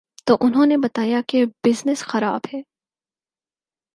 تو انہوں نے بتایا کہ بزنس خراب ہے۔